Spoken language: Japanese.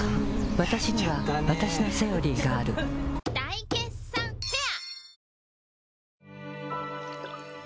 わたしにはわたしの「セオリー」がある大決算フェア